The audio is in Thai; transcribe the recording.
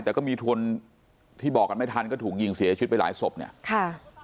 แต่ก็มีคนที่บอกกันไม่ทันก็ถูกยิงเสียชีวิตไปหลายศพเนี่ยค่ะ